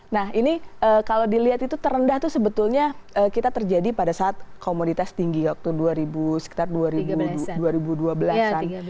nah ini kalau dilihat itu terendah itu sebetulnya kita terjadi pada saat komoditas tinggi waktu sekitar dua ribu dua belas an